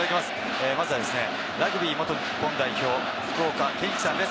まずはラグビー元日本代表・福岡堅樹さんです。